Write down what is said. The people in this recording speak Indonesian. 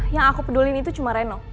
yang aku pedulin itu cuman reno